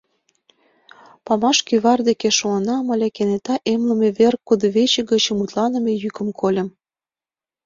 Памаш кӱвар деке шуынам ыле, кенета эмлыме вер кудывече гыч мутланыме йӱкым кольым.